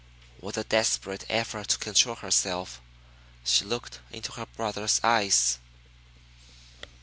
With a desperate effort to control, herself, she looked into her brother's eyes.